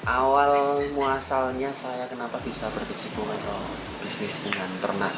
awal muasalnya saya kenapa bisa berjepung atau bisnis dengan peternak